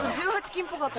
１８金？